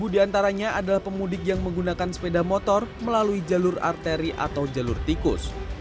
sepuluh diantaranya adalah pemudik yang menggunakan sepeda motor melalui jalur arteri atau jalur tikus